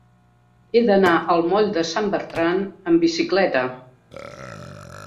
He d'anar al moll de Sant Bertran amb bicicleta.